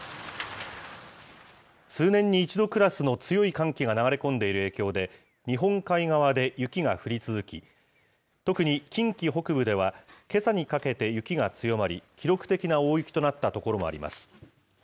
数年に一度クラスの強い寒気が流れ込んでいる影響で、日本海側で雪が降り続き、特に近畿北部では、けさにかけて雪が強まり、記録的な大雪となった所もあります。